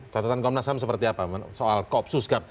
catatan komnas ham seperti apa soal koopsus gap